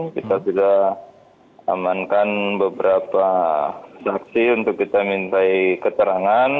kita sudah amankan beberapa saksi untuk kita mintai keterangan